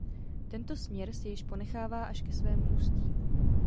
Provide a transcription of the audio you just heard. Tento směr si již ponechává až ke svému ústí.